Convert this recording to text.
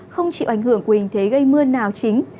không chịu ảnh hưởng của hình thế gây mưa nào chính